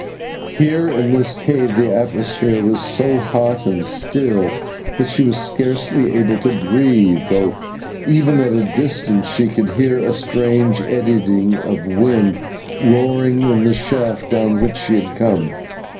Here in this cave the atmosphere was so hot and still, that she was scarcely able to breathe, though even at a distance she could hear a strange eddying wind roaring in the shaft down which she had come.